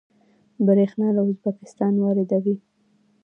بریښنا له ازبکستان واردوي